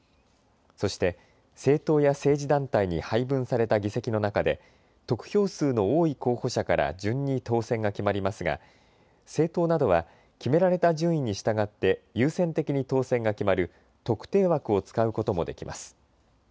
そして政党や政治団体に配分された議席の中で得票数の多い候補者から順に当選が決まりますが政党などは決められた順位に従って優先的に当選が決まる特定枠を使うこともできます。